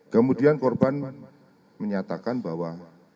kemudian korban menyatakan bahwa